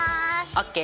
ＯＫ。